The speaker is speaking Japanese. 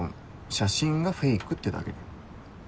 写真がフェイクってだけで。